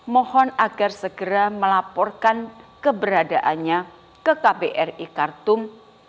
mohon agar segera melaporkan keberadaannya ke kbri kartum